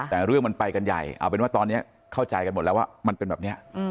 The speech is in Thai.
แต่เรื่องมันไปกันใหญ่เอาเป็นว่าตอนนี้เข้าใจกันหมดแล้วว่ามันเป็นแบบนี้